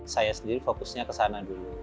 saya sendiri fokusnya kesana dulu